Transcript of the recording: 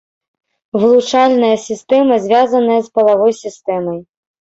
Вылучальная сістэма звязаная з палавой сістэмай.